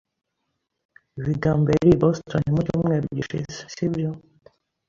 Bigambo yari i Boston mu cyumweru gishize, si byo?